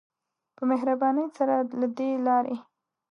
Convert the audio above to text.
په مهربانی سره له دی لاری.